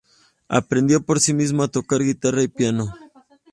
Aprendió por sí mismo a tocar guitarra y piano.